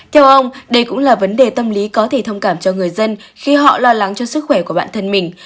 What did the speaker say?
theo ông đây cũng là vấn đề tâm lý có thể thông cảm cho người dân khi họ lo lắng cho sức khỏe của bản thân mình